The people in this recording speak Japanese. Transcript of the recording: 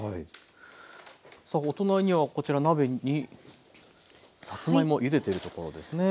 さあお隣にはこちら鍋にさつまいもゆでてるところですね。